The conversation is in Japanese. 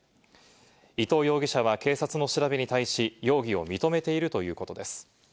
伊藤容疑者は警察の調べに対し、容疑を認めているということです。